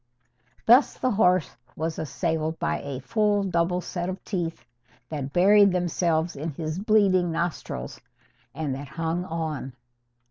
Thus the horse was assailed by a full double set of teeth that buried themselves in his bleeding nostrils, and that hung on.